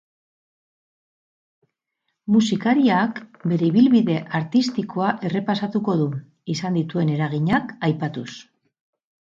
Musikariak bere ibilbide artistikoa errepasatuko du, izan dituen eraginak aipatuz.